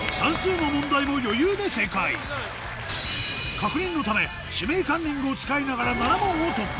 確認のため「指名カンニング」を使いながら７問を突破！